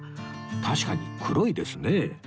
確かに黒いですね